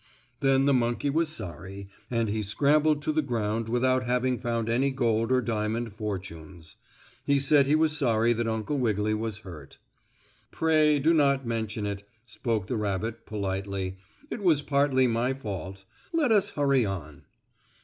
Then the monkey was sorry, and he scrambled to the ground without having found any gold or diamond fortunes. He said he was sorry that Uncle Wiggily was hurt. "Pray do not mention it," spoke the rabbit, politely. "It was partly my fault. Let us hurry on."